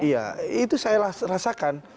iya itu saya rasakan